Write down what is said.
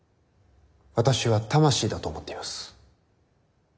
私は魂だと思っています。